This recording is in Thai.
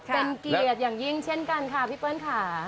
เป็นเกียรติอย่างยิ่งเช่นกันค่ะพี่เปิ้ลค่ะ